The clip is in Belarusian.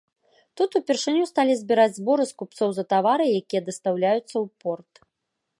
Тут упершыню сталі збіраць зборы з купцоў за тавары, якія дастаўляюцца ў порт.